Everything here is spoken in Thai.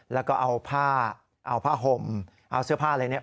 แล้วก็เอาผ้าเอาผ้าห่มเอาเสื้อผ้าอะไรเนี่ย